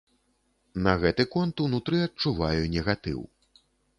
На гэты конт унутры адчуваю негатыў.